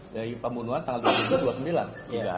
dari pembunuhan tanggal dua puluh sembilan tiga hari bang